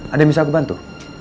ada yang bisa aku bantu